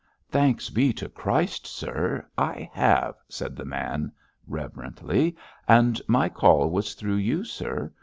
'Thanks be to Christ, sir, I have,' said the man, reverently, 'and my call was through you, sir.